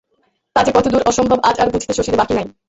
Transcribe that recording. তা যে কতদূর অসম্ভব আজ আর বুঝিতে শশীর বাকি নাই।